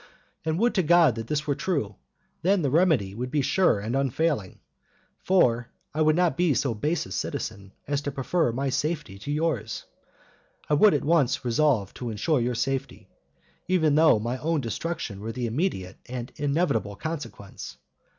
And would to God that this were true; then the remedy would be sure and unfailing, for I would not be so base a citizen as to prefer my own safety to yours; I would at once resolve to ensure your security, even though my own destruction were the immediate and inevitable consequence.